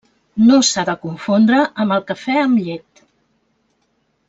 No s'ha de confondre amb el cafè amb llet.